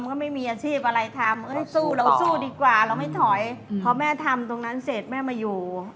ก็ไม่มีอาชีพอะไรทำสู้เราสู้ดีกว่าเราไม่ถอยพอแม่ทำตรงนั้นเสร็จแม่มาอยู่